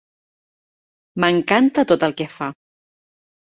M'encanta tot el que fa.